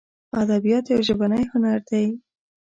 ادبیات یو ژبنی هنر دی.